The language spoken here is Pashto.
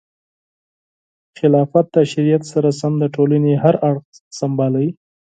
خلافت د شریعت سره سم د ټولنې هر اړخ سمبالوي.